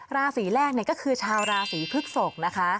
ราศีแรกเนี่ยก็คือชาวราศีพึกศกนะคะ